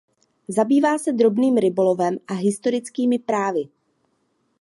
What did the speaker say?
Zabývá se drobným rybolovem a historickými právy.